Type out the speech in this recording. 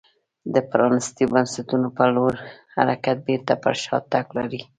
د پرانیستو بنسټونو په لور حرکت بېرته پر شا تګ لري.